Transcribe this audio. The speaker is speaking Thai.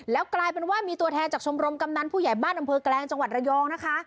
แล้วกลายเป็นว่ามีตัวแทนจากชมรมกำนันผู้ใหญ่บ้านอำเภอแกลงจังหวัดระยองนะคะ